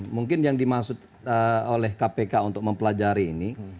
mungkin yang dimaksud oleh kpk untuk mempelajari ini